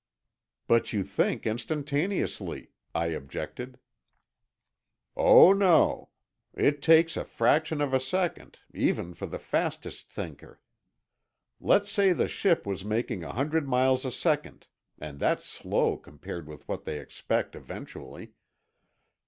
"But you think instantaneously," I objected. "Oh, no. It takes a fraction of a second, even for the fastest thinker. Let's say the ship was making a hundred miles a second—and that's slow compared with what they expect eventually.